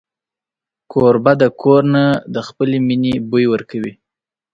کوربه د کور نه د خپلې مینې بوی ورکوي.